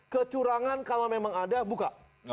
kecurangan kalau memang ada buka